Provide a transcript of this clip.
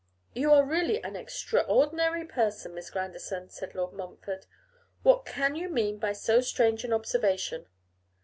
'You are really an extraordinary person, Miss Grandison,' said Lord Montfort. 'What can you mean by so strange an observation?